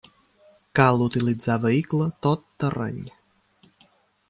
Cal utilitzar vehicle tot terreny.